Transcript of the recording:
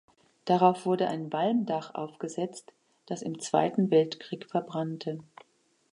Darauf wurde ein Walmdach aufgesetzt, das im Zweiten Weltkrieg verbrannte.